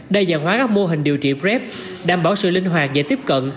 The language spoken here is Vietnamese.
đa dạng hóa các mô hình điều trị greg đảm bảo sự linh hoạt dễ tiếp cận